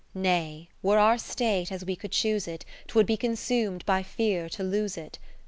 Nay, were our state as we could choose it, 'Twould be consum'd by fear to lose it.